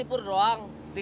ini apaan sih